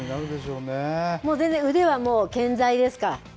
もう全然、腕は健在ですか？